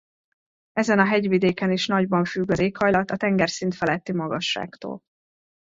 Ezen a hegyvidéken is nagyban függ az éghajlat a tengerszint feletti magasságtól.